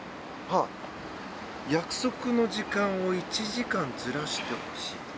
約束の時間を１時間ずらしてほしい？